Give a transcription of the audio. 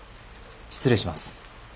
失礼します。